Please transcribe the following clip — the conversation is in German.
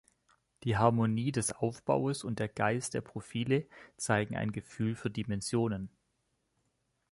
Die Harmonie des Aufbaues und der Geist der Profile zeigen ein Gefühl für Dimensionen.